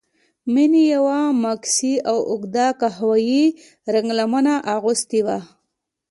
مينې يوه ماکسي او اوږده قهويي رنګه لمن اغوستې وه.